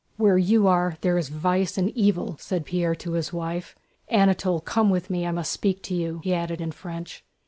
"Where you are, there is vice and evil!" said Pierre to his wife. "Anatole, come with me! I must speak to you," he added in French.